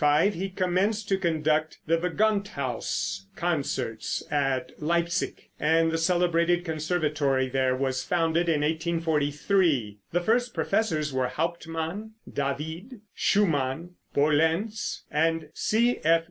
] In 1835 he commenced to conduct the Gewandhaus concerts at Leipsic, and the celebrated conservatory there was founded in 1843. The first professors were Hauptmann, David, Schumann, Pohlenz and C.F.